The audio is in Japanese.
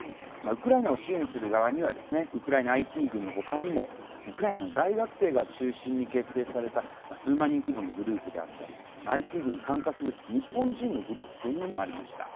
ウクライナを支援する側にはウクライナＩＴ軍のほかにもウクライナの大学生が中心に結成された数万人規模のグループであったりＩＴ軍に参加する日本人のグループというのもありました。